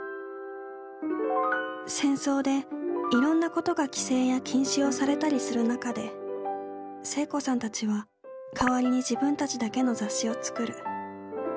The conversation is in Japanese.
戦争でいろんなことが規制や禁止をされたりする中で聖子さんたちは代わりに自分たちだけの雑誌を作る。